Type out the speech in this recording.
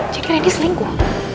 jadi rendy selingkuh